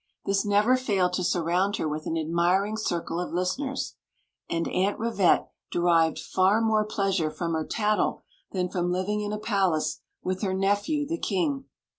This never failed to surround her with an admiring circle of listeners^ and Aunt Rivette derived hr more Queen Zixi of Ix ; or, the pleasure from her tattle than from living in a palace with her nephew the king.